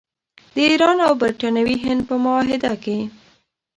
د ایران او برټانوي هند په معاهده کې.